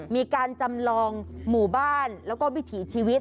มีการจำลองหมู่บ้านแล้วก็วิถีชีวิต